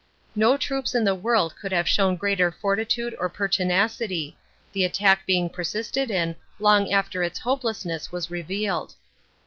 No troops in the world could have shown greater fortitude or pertinacity, the attack being persisted in long after its hopelessness was revealed.